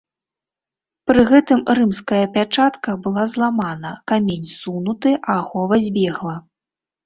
Пры гэтым рымская пячатка была зламана, камень ссунуты, а ахова збегла.